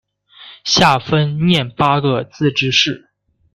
下分廿八个自治市。